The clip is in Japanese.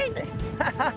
「ハハハ！」。